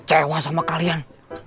saya kecewa sama kalian